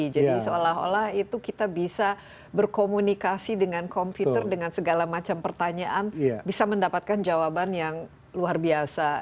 jadi seolah olah itu kita bisa berkomunikasi dengan komputer dengan segala macam pertanyaan bisa mendapatkan jawaban yang luar biasa